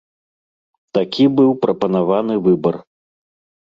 Такі быў прапанаваны выбар.